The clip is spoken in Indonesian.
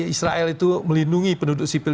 israel itu melindungi penduduk sipil